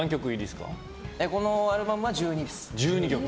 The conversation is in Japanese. このアルバムは１２です。